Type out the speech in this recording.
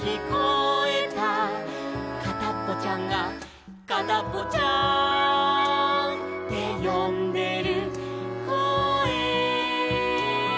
「かたっぽちゃんがかたっぽちゃーんってよんでるこえ」